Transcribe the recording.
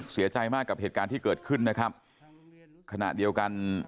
เสียใจมากกับเหตุการณ์ที่เกิดขึ้นนะครับขณะเดียวกัน